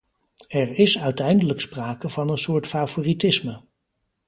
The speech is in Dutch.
Er is uiteindelijk sprake van een soort favoritisme.